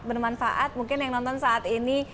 bermanfaat mungkin yang nonton saat ini